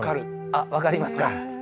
あ分かりますか？